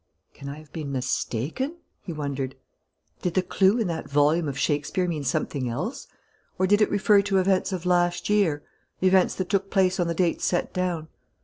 "Can I have been mistaken?" he wondered. "Did the clue in that volume of Shakespeare mean something else? Or did it refer to events of last year, events that took place on the dates set down?"